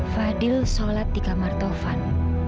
fadil sholat di kamar tovan